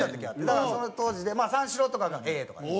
だからその当時でまあ三四郎とかがＡとか。